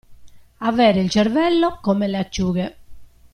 Avere il cervello come le acciughe.